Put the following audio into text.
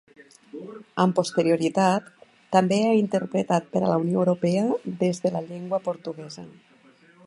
Amb posterioritat, també ha interpretat per a la Unió Europea des de la llengua portuguesa.